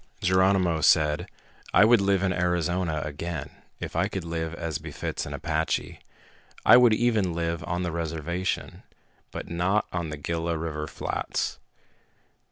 Geronimo said, "I would live in Arizona again, if I could live as befits an Apache. I would even live on the reservation, but not on the Gila River flats."